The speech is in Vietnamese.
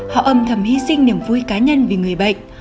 họ âm thầm hy sinh niềm vui cá nhân vì người bệnh